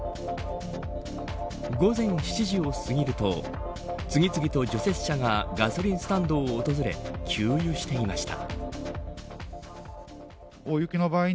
午前７時を過ぎると次々と除雪車がガソリンスタンドを訪れ給油していました。